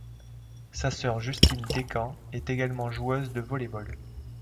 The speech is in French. Sa sœur Justine Décamp est également joueuse de volley-ball.